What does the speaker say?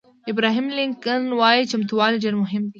ابراهیم لینکلن وایي چمتووالی ډېر مهم دی.